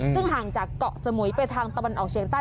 ซึ่งห่างจากเกาะสมุยไปทางตะวันออกเฉียงใต้